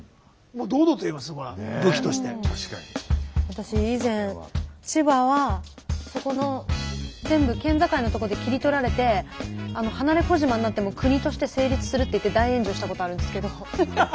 私以前千葉はそこの全部県境の所で切り取られて離れ小島になっても国として成立するって言って大炎上したことあるんですけど。